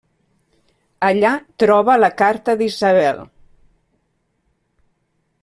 Allà troba la carta d'Isabel.